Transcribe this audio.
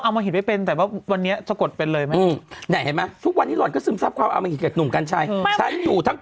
ไม่ใช่โดนประเด็นหรอก